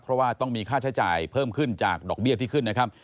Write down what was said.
เพราะว่าต้องมีค่าใช้จ่ายเพิ่มขึ้นจากดอกเบี้ยที่ขึ้นนะครับ